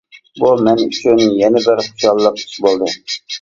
بۇ مەن ئۈچۈن يەنە بىر خۇشاللىق ئىش بولدى.